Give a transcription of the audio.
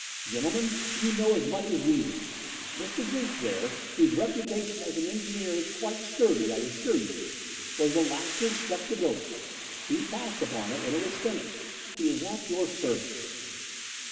Gentlemen, you know as much as we do. Mr. Jenks there, whose reputation as an engineer is quite sturdy, I assure you, was the last to inspect the building. He passed upon it when it was finished. He is at your service."